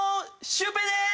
シュウペイでーす！